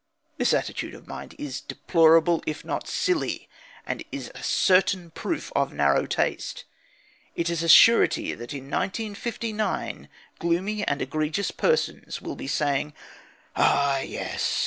This attitude of mind is deplorable, if not silly, and is a certain proof of narrow taste. It is a surety that in 1959 gloomy and egregious persons will be saying: "Ah, yes.